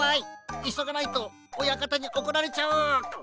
いそがないとおやかたにおこられちゃう！